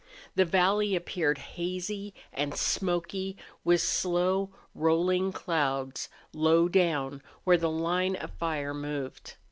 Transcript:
The valley appeared hazy and smoky, with slow, rolling clouds low down where the line of fire moved.